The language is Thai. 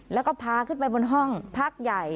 แล้วก็พาขึ้นไปบนห้องพักใหญ่